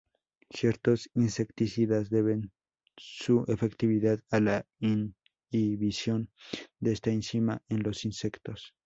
Ciertos insecticidas deben su efectividad a la inhibición de esta enzima en los insectos.